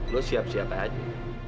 lu siap siap aja